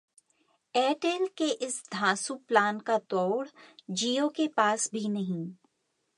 Airtel के इस धांसू प्लान का तोड़ Jio के पास भी नहीं